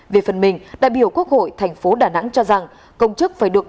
về phần mình đại biểu quốc hội tp đà nẵng cho rằng công chức phải được